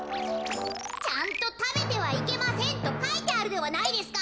ちゃんと「食べてはいけません」とかいてあるではないですか！